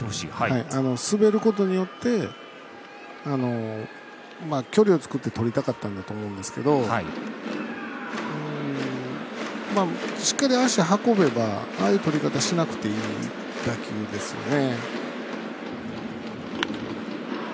滑ることによって距離を作ってとりたかったんだと思うんですけどしっかり足運べばああいうとり方しなくていい打球ですよね。